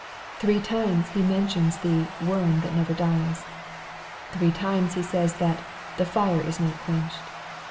Three times He men tions the " worm that never dies." Three times He says that " the fire is not quenched."